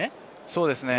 そうですね。